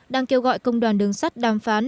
đang kêu gọi công đoàn đường sắt đàm phán